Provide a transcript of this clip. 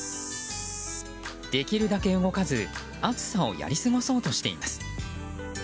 できるだけ動かず暑さをやり過ごそうとしています。